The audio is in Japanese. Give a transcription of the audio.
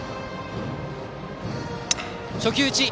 初球打ち。